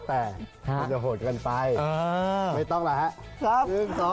แต่มันจะหดกันไปไม่ต้องหรอกครับ